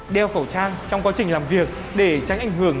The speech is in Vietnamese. đeo khẩu trang trong quá trình làm việc để tránh ảnh hưởng